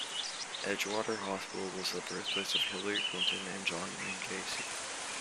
Edgewater Hospital was the birthplace of Hillary Clinton and John Wayne Gacy.